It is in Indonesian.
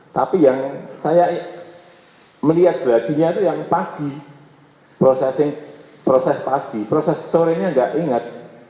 tapi yang saya melihat gladinya itu yang pagi proses pagi proses sore nya enggak inget